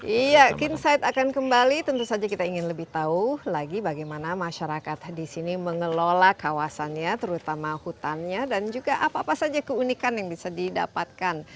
iya insight akan kembali tentu saja kita ingin lebih tahu lagi bagaimana masyarakat di sini mengelola kawasannya terutama hutannya dan juga apa apa saja keunikan yang bisa didapatkan